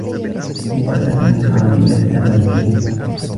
مدفأتنا الكهربائية لا تعمل جيدا.